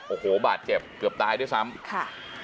โอ้โหบาดเจ็บเกือบตายด้วยซ้ำค่ะ